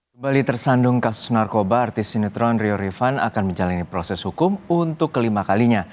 kembali tersandung kasus narkoba artis sinetron rio rifan akan menjalani proses hukum untuk kelima kalinya